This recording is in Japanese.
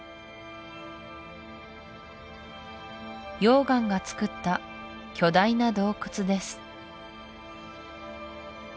溶岩がつくった巨大な洞窟です